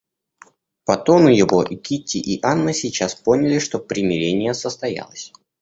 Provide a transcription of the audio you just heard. По тону его и Кити и Анна сейчас поняли, что примирение состоялось.